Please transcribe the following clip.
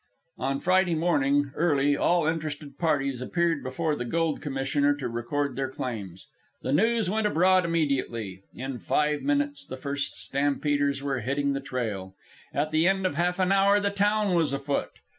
On Friday morning, early, all interested parties appeared before the Gold Commissioner to record their claims. The news went abroad immediately. In five minutes the first stampeders were hitting the trail. At the end of half an hour the town was afoot.